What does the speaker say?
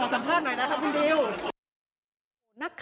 ให้จับคำเสร็จตอนสัมภาษณ์หน่อยนะคะคุณดิว